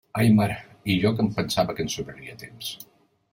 Ai mare, i jo que em pensava que ens sobraria temps.